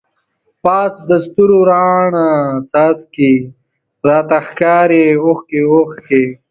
پاس دستورو راڼه څاڅکی، راته ښکاری اوښکی اوښکی